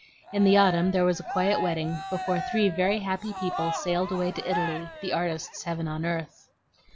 In the autumn there was a quiet wedding, before three very happy people sailed away to Italy, the artist's heaven on earth.